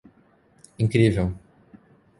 Incrível